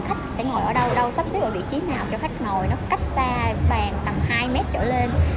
khách sẽ ngồi ở đâu sắp xếp ở vị trí nào cho khách ngồi nó cách xa vàng tầm hai mét chở lên